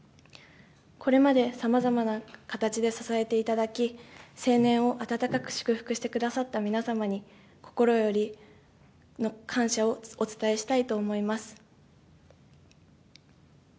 これまでさまざまな形で支えていただき、成年を温かく祝福してくださった皆様に心よりの感謝をお伝えしたいと思います。